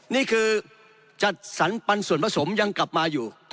นี่คือจัดสรรปันส่วนผสมยังกลับมาอยู่